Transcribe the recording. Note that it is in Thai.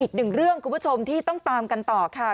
อีกหนึ่งเรื่องคุณผู้ชมที่ต้องตามกันต่อค่ะ